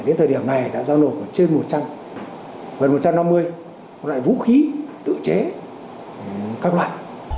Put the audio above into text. đến thời điểm này đã giao nộp trên một trăm năm mươi loại vũ khí tự chế các loại